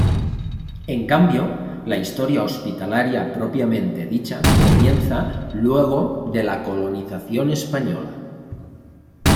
En cambio, la historia hospitalaria propiamente dicha comienza luego de la colonización española.